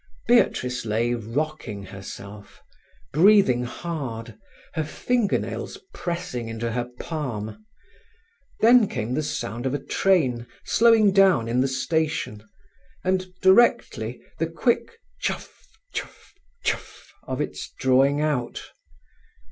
Beatrice lay rocking herself, breathing hard, her finger nails pressing into her palm. Then came the sound of a train slowing down in the station, and directly the quick "chuff chuff chuff" of its drawing out.